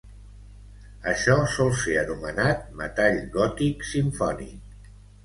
Això sol ser anomenat metall gòtic simfònic.